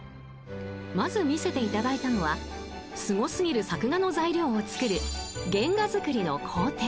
［まず見せていただいたのはすご過ぎる作画の材料を作る原画作りの工程］